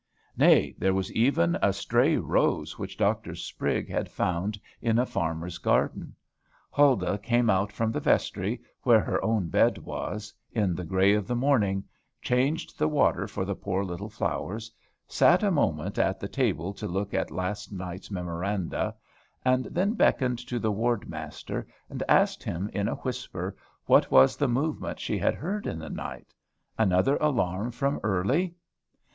Nay, there was even a stray rose which Dr. Sprigg had found in a farmer's garden. Huldah came out from the vestry, where her own bed was, in the gray of the morning, changed the water for the poor little flowers, sat a moment at the table to look at last night's memoranda, and then beckoned to the ward master, and asked him, in a whisper, what was the movement she had heard in the night, "Another alarm from Early?"